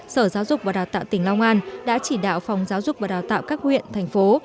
sở giáo dục và đào tạo tỉnh long an đã chỉ đạo phòng giáo dục và đào tạo các huyện thành phố